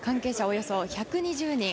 およそ１２０人。